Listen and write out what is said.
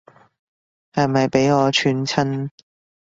係咪畀我串親